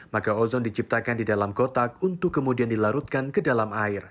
maka ozon diciptakan di dalam kotak untuk kemudian dilarutkan ke dalam air